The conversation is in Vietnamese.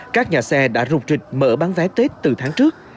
các nhà xe đã rụng trịch mở bán vé tết từ tháng trước